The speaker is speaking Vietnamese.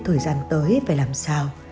thời gian tới phải làm sao